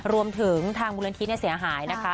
รวมถึงทางบุรณฐีเสียหายนะคะ